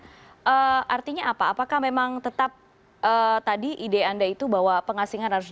oke artinya apa apakah memang tetap tadi ide anda itu bahwa pengasingan harus